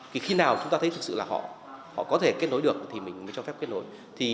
thì khi nào chúng ta thấy thực sự là họ có thể kết nối được thì mình mới cho phép kết nối